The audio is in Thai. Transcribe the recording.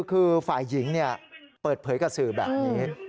คือฝ่ายหญิงเนี่ยเปิดเผยกระสืบแบบนี้